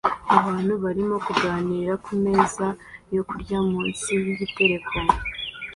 Abantu barimo kuganira kumeza yo kurya munsi yigitereko